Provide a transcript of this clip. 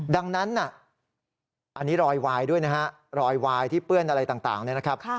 ดังนั้นอันนี้รอยวายด้วยนะฮะรอยวายที่เปื้อนอะไรต่างเนี่ยนะครับ